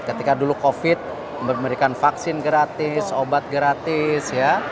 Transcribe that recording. ketika dulu covid memberikan vaksin gratis obat gratis ya